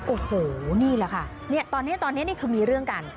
โอ้โหนี่แหละค่ะตอนนี้ตอนนี้นี่คือมีเรื่องกัน